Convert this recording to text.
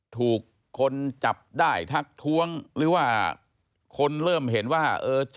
ถูกคนจับได้ทักท้วงหรือว่าคนเริ่มเห็นว่า